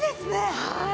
はい。